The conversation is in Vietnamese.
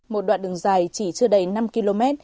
một đoạn đường dài chỉ chưa đầy năm km